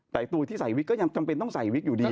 แต่ตัวที่ใส่วิกก็ยังจำเป็นต้องใส่วิกอยู่ดี